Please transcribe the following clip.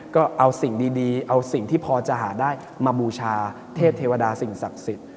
ก็เอาสิ่งดีเอาสิ่งที่พอจะหาได้มาบูชาเทพเทวดาสิ่งศักดิ์สิทธิ